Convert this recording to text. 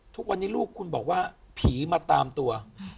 ทุกวันนี้ลูกคุณบอกว่าผีมาตามตัว